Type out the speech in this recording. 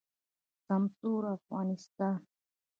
سمسور افغانستان